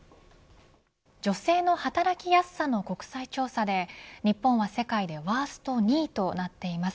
女性の働きやすさの国際調査で日本は世界でワースト２位となっています。